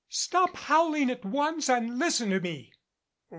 "Stop howling at once and listen to me."